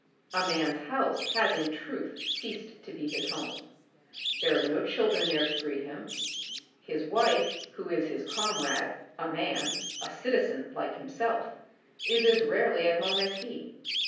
A man's house has in truth ceased to be his home. There are no children there to greet him, his wife, who is his comrade, a man, a citizen like himself, is as rarely at home as he.